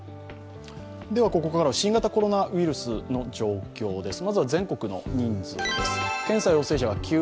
ここからは新型コロナウイルスの状況です。